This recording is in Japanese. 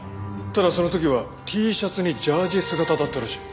ただその時はＴシャツにジャージー姿だったらしい。